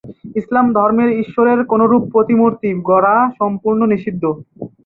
ইসলাম ধর্মে ঈশ্বরের কোনরূপ প্রতিমূর্তি গড়া সম্পূর্ণ নিষিদ্ধ।